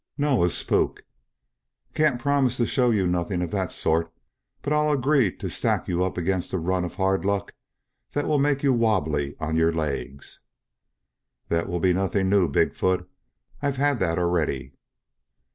"No; a spook." "Oh! Can't promise to show you nothing of the sort. But I'll agree to stack you up against a run of hard luck that will make you wobbly on your legs." "That will be nothing new, Big foot. I've had that already."